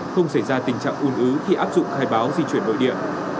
không xảy ra tình trạng ùn ứ khi áp dụng khai báo di chuyển nội địa